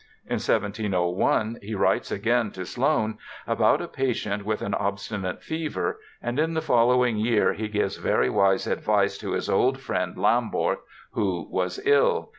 In 1701 he writes again to Sloane about a patient with an obstinate fever, and in the following year he gives very wise advice to his old friend Lomborch, who was ill.